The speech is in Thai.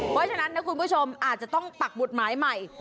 เพราะฉะนั้นนะคุณผู้ชมอาจจะต้องปักหมุดหมายใหม่